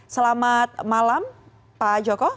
selamat malam pak joko